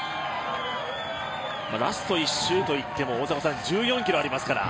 ラスト１周といっても１４ｋｍありますから。